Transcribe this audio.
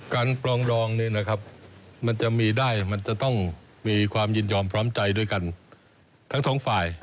ปรองดองเนี่ยนะครับมันจะมีได้มันจะต้องมีความยินยอมพร้อมใจด้วยกันทั้งสองฝ่าย